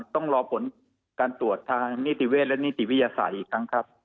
ต้องรอผลการตรวจทางนิติเวศและนิติวิทยาศาสตร์อีกครั้งครับ